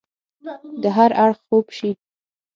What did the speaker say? د هر اړخ خوب شي